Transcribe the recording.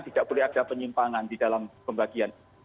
tidak boleh ada penyimpangan di dalam pembagian